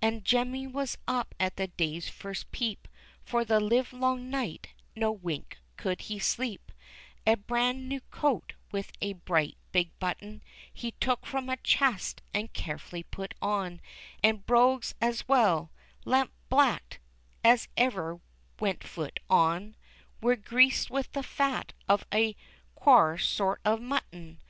And Jemmy was up at the day's first peep For the live long night, no wink could he sleep; A bran new coat, with a bright big button, He took from a chest, and carefully put on And brogues as well lampblacked as ever went foot on Were greased with the fat of a quare sort of mutton!